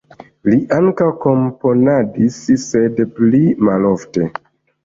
Li ankaŭ komponadis, sed pli malofte.